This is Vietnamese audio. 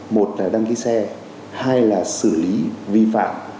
một là đăng ký xe hai là xử lý vi phạm